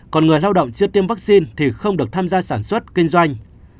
còn người lao động chưa tiêm vaccine thì không được tham gia sản xuất kinh doanh